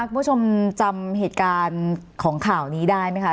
คุณผู้ชมจำเหตุการณ์ของข่าวนี้ได้ไหมคะ